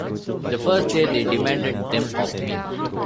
The first day they demanded them of me.